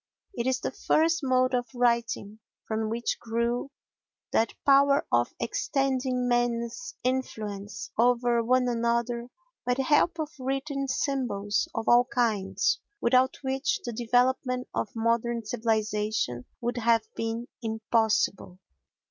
It is the first mode of writing, from which grew that power of extending men's influence over one another by the help of written symbols of all kinds without which the development of modern civilisation would have been impossible.